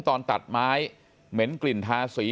ตอนตัดไม้เหม็นกลิ่นทาสี